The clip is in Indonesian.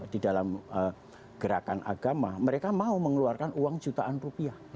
di dalam gerakan agama mereka mau mengeluarkan uang jutaan rupiah